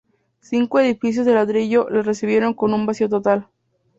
Cinco edificios de ladrillo le recibieron con un vacío total.